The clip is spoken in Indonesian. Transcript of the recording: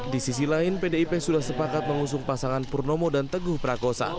di sisi lain pdip sudah sepakat mengusung pasangan purnomo dan teguh prakosa